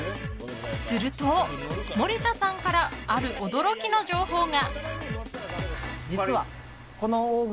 すると森田さんからある驚きの情報が。